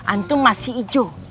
antum masih hijau